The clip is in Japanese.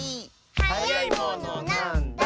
「はやいものなんだ？」